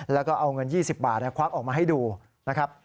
แล้วก็เอาเงิน๒๐บาทควักออกมาให้ดูนะครับ